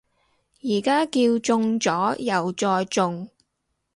而家叫中咗右再中